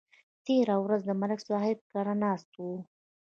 تېره ورځ د ملک صاحب کره ناست وو